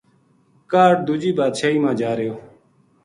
کاہڈ دوجی بادشاہی ما جا رہیو